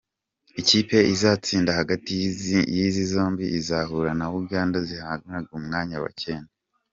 Ikipe izatsinda hagati y’izi zombi izahura na Uganda zihanganira umwanya wa cyenda.